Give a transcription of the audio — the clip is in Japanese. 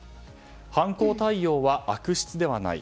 犯行態様は悪質ではない。